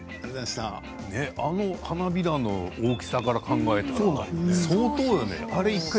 あの花びらの大きさから考えたら相当よね。